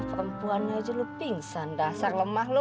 perempuan aja lo pingsan dasar lemah lo